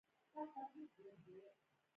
ډاکتر ورته وويل حياتي علايم يې وګوره.